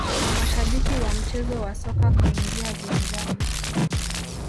mashabiki wa mchezo wa soka kuingia viwanjani